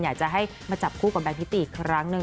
อยากจะให้มาจับคู่กับแบงคิติอีกครั้งหนึ่ง